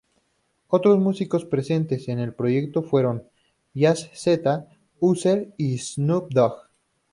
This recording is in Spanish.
Otros músicos presentes en el proyecto fueron: Jay Z, Usher y Snoop Dog.